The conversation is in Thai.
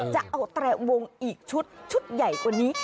จะเอาแตรวงอีกชุดชุดใหญ่กว่านี้